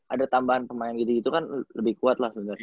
ada tambahan pemain gitu gitu kan lebih kuat lah sebenarnya